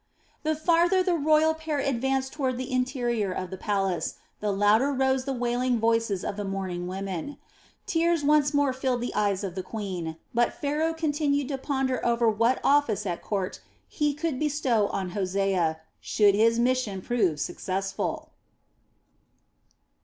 The farther the royal pair advanced toward the interior of the palace, the louder rose the wailing voices of the mourning women. Tears once more filled the eyes of the queen; but Pharaoh continued to ponder over what office at court he could bestow on Hosea, should his mission prove successful.